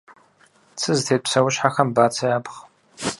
Цы зытет псэущхьэхэм бацэ япхъ.